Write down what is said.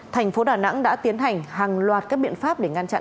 thành phố đà nẵng đã tiến hành hàng loạt các biện pháp để ngăn chặn